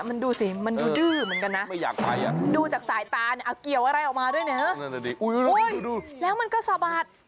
มันดูสิมันดูดื้อเหมือนกันนะดูจากสายตาเอาเกียวอะไรออกมาด้วยนะฮะโอ๊ยแล้วมันก็สะบัด